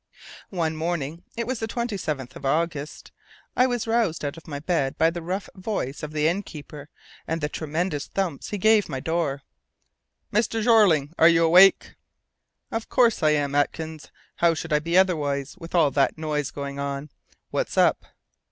One morning it was the 27th of August I was roused out of my bed by the rough voice of the innkeeper and the tremendous thumps he gave my door. "Mr. Jeorling, are you awake?" "Of course I am, Atkins. How should I be otherwise, with all that noise going on? What's up?"